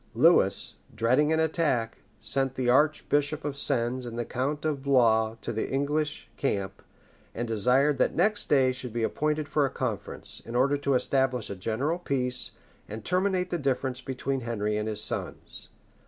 Lewis, dreading an attack, sent the archbishop of Sens and the count of Blois to the English camp, and desired that next day should be appointed for a conference, in order to establish a general peace, and terminate the difference between Henry and his sons.